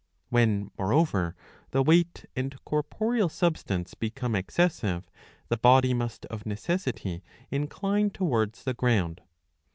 ^ When, moreover, the weight and corporeal substance become excessive, the body must of necessity incline towards the ground.